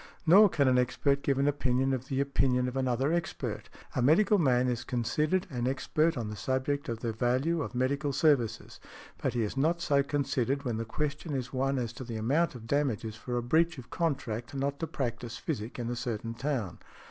Nor can an expert give an opinion of the opinion of another expert . A medical man is considered an expert on the subject of the |120| value of medical services . But he is not so considered when the question is one as to the amount of damages for a breach of contract not to practise physic in a certain town .